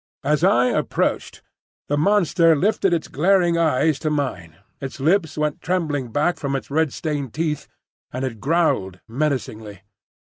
As I approached, the monster lifted its glaring eyes to mine, its lips went trembling back from its red stained teeth, and it growled menacingly.